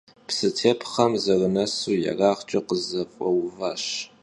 Psıtêpxhem zerınesu yêrağç'e khızef'euvaş.